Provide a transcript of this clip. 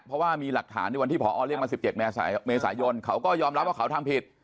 เพราะว่ามีหลักฐานในวันที่พอเรียกมา๑๗เมษายนเขาก็ยอมรับว่าเขาทำผิด